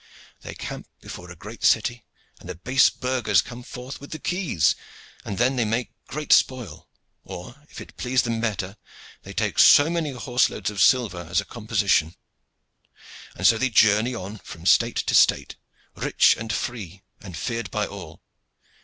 They camp before a great city, and the base burghers come forth with the keys, and then they make great spoil; or, if it please them better, they take so many horse loads of silver as a composition; and so they journey on from state to state, rich and free and feared by all.